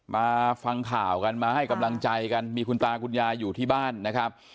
มาฟังข่าวกันมาให้กำลังใจกันมีคุณตาคุณยายอยู่ที่บ้านนะครับ